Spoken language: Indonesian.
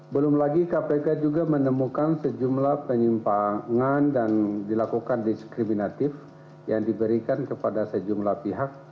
belum lagi kpk juga menemukan sejumlah penyimpangan dan dilakukan diskriminatif yang diberikan kepada sejumlah pihak